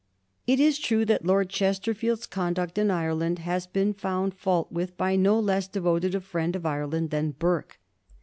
It is true that Lord Chesterfield's conduct in Ireland has been found fault with by no less devoted a friend of Ireland than Burke.